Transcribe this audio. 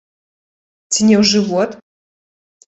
Ці не ў жывот?